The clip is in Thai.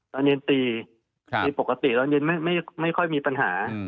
ตอนเย็นตีปกติตอนเย็นไม่ค่อยมีปัญหา